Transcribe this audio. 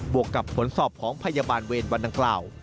วกกับผลสอบของพยาบาลเวรวันดังกล่าว